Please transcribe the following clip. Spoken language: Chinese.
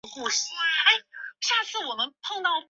没有适合的房间